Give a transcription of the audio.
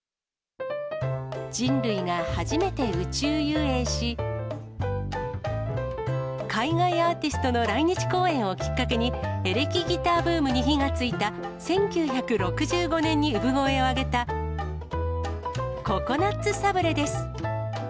人類が初めて宇宙遊泳し、海外アーティストの来日公演をきっかけに、エレキギターブームに火がついた１９６５年に産声を上げた、ココナッツサブレです。